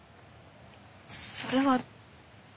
それは。